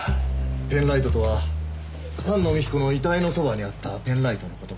ペンライトとは山王美紀子の遺体のそばにあったペンライトの事か？